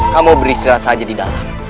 kamu beristirahat saja di dalam